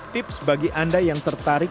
tips bagi anda yang tertarik